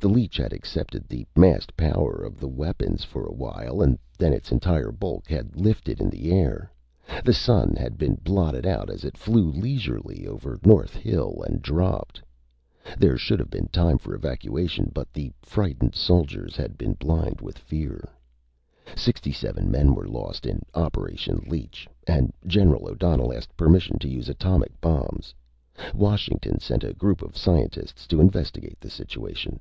The leech had accepted the massed power of the weapons for a while, and then its entire bulk had lifted in the air. The Sun had been blotted out as it flew leisurely over North Hill, and dropped. There should have been time for evacuation, but the frightened soldiers had been blind with fear. Sixty seven men were lost in Operation Leech, and General O'Donnell asked permission to use atomic bombs. Washington sent a group of scientists to investigate the situation.